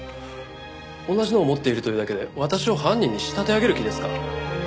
同じのを持っているというだけで私を犯人に仕立て上げる気ですか？